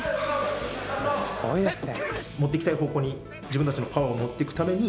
すごいですね。